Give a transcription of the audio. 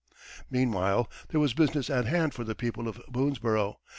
Meanwhile there was business at hand for the people of Boonesborough.